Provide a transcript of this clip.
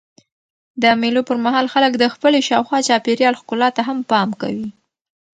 د مېلو پر مهال خلک د خپلي شاوخوا چاپېریال ښکلا ته هم پام کوي.